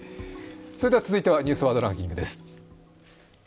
それでは、続いては「ニュースワードランキング」です。